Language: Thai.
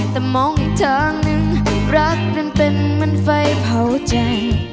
แต่มองอีกทางหนึ่งรักนั้นเป็นเหมือนไฟเผาใจ